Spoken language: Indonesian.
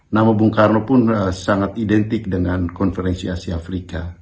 nama bung karno pun sangat identik dengan konferensi asia afrika